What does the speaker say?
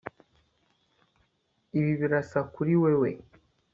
Ibi birasa kuri wewe